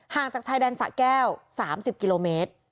จากชายแดนสะแก้ว๓๐กิโลเมตร